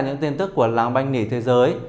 những tin tức của làng banh nghỉ thế giới